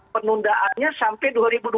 penundaannya sampai dua ribu dua puluh